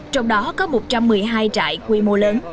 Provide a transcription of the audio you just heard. trong đó có một trăm một mươi hai trại quy mô lớn